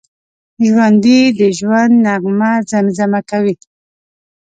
ژوندي د ژوند نغمه زمزمه کوي